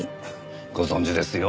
ご存じですよ。